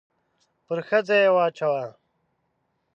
پر ښځې يې واچاوه.